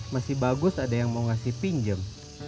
masih bagus ada yang mau ngasih pinjam